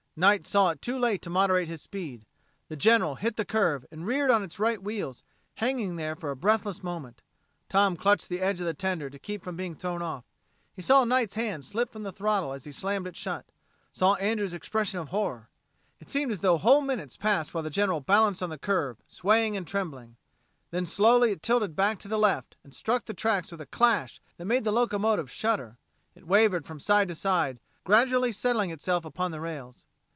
Knight saw it too late to moderate his speed. The General hit the curve and reared on its right wheels, hanging there for a breathless moment. Tom clutched the edge of the tender to keep from being thrown off. He saw Knight's hand slip from the throttle as he slammed it shut, saw Andrews' expression of horror. It seemed as though whole minutes passed while the General balanced on the curve, swaying and trembling. Then slowly it tilted back to the left and struck the tracks with a clash that made the locomotive shudder. It wavered from side to side, gradually settling itself upon the rails.